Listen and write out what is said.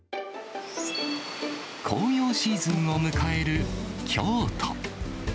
紅葉シーズンを迎える京都。